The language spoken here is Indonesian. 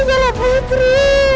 kau lupa salah putri